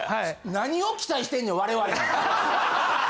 何を期待してんねん我々に。